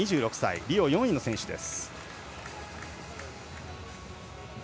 リオ４位の選手です。